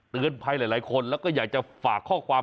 เตือนภัยหลายคนแล้วก็อยากจะฝากข้อความ